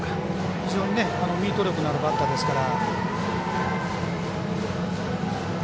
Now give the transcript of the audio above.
非常にミート力のあるバッターですから。